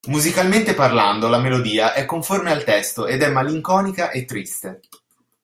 Musicalmente parlando, la melodia è conforme al testo ed è malinconica e triste.